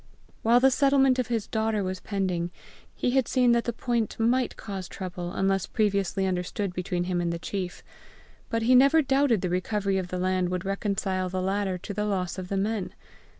While the settlement of his daughter was pending, he had seen that the point might cause trouble unless previously understood between him and the chief; but he never doubted the recovery of the land would reconcile the latter to the loss of the men.